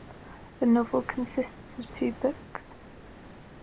The novel consists of two books.